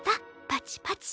パチパチ。